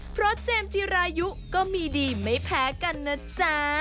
เพราะเจมส์จิรายุก็มีดีไม่แพ้กันนะจ๊ะ